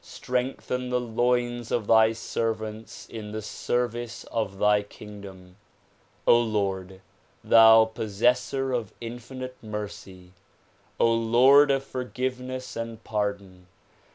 Strengthen the loins of thy servants in the service of thy kingdom. Lord, thou possessor of infinite mercy ! Lord of forgiveness and pardon!